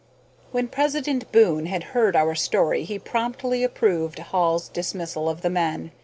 When President Boon had heard our story he promptly approved Hall's dismissal of the men.